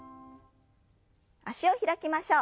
脚を開きましょう。